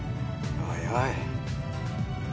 おいおい！